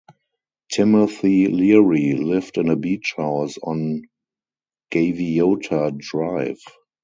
Timothy Leary lived in a beach house on Gaviota Drive.